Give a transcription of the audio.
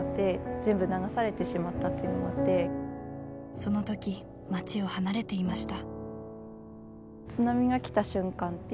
そのとき町を離れていました。